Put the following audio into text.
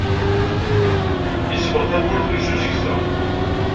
Yesbeɣ tawwurt-nni s uzegza.